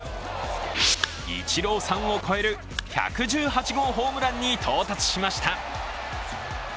更に、イチローさんを超える１１８号ホームランに到達しました。